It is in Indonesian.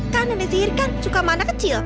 kalau nenek sihir kan suka mana kecil